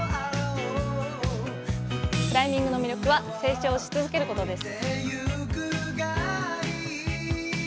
クライミングの魅力は成長し続けることです。